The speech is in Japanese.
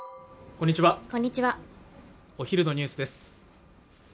こんにちはお昼のニュースです